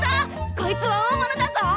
こいつは大物だぞ！